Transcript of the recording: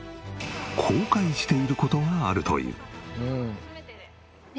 後悔している事があるという。